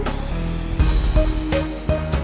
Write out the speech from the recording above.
buat masa itu enggak